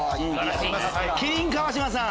麒麟・川島さん。